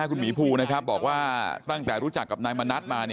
หน้าคุณหมีภูบอกว่าตั้งแต่รู้จักกับนายมณัติมา